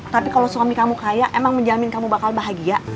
tapi kalau suami kamu kaya emang menjamin kamu bakal bahagia